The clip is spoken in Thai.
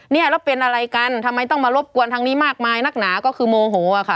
เนี่ยแล้วเป็นอะไรกันทำไมต้องมารบกวนทางนี้มากมายนักหนาก็คือโมโหค่ะ